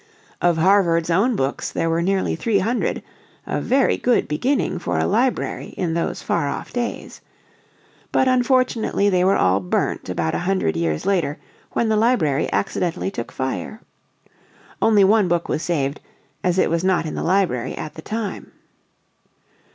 Of Harvard's own books there were nearly three hundred, a very good beginning for a library in those far off days. But unfortunately they were all burnt about a hundred years later when the library accidentally took fire. Only one book was saved, as it was not in the library at the time.